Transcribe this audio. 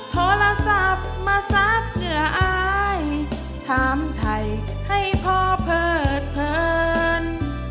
โทรศัพท์มาซักเหงื่ออายถามไทยให้พ่อเพิดเผิน